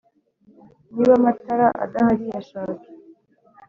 niba amatara adahari yashake